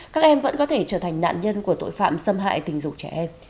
các em vẫn có thể trở thành nạn nhân của tội phạm xâm hại tình dục trẻ em